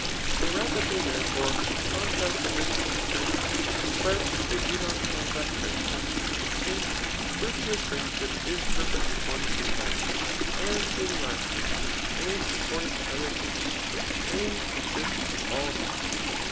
They rapidly, dierefbre, contract the wish to be friends, but they do not contract friendsh^. Hence, virtuous friendship i^ perfect according to time^ [as being lastmg,] and atcord iDg to other things, and consists from all these.